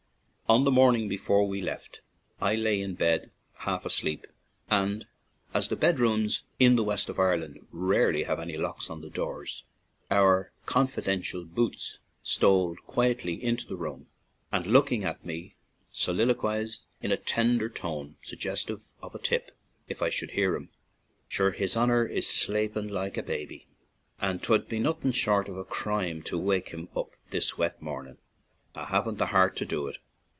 On the morning before we left, I lay in bed half asleep, and, as the bedrooms in the west of Ireland rarely have any locks on their doors, our confidential "boots'' stole quietly into the room and, looking at me, soliloquized in a tender tone, suggestive of a tip if I should hear him: "Sure, his honor is slapin' loike a baby, an' 'twould be nothin' short of a crime to wake him up this wet morn in' ; I haven't the heart to do it."